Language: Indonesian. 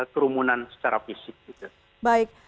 kerumunan secara fisik